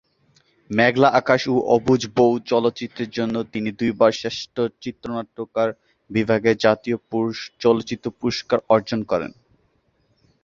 মেঘলা আকাশ ও অবুঝ বউ চলচ্চিত্রের জন্য তিনি দুইবার শ্রেষ্ঠ চিত্রনাট্যকার বিভাগে জাতীয় চলচ্চিত্র পুরস্কার অর্জন করেন।